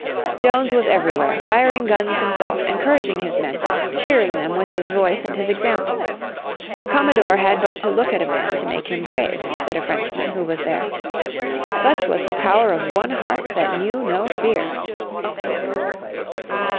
Jones was everywhere, firing guns himself, encouraging his men, cheering them with his voice and his example. "The commodore had but to look at a man to make him brave," said a Frenchman, who was there. "Such was the power of one heart that knew no fear."